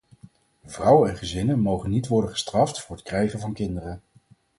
Vrouwen en gezinnen mogen niet worden gestraft voor het krijgen van kinderen.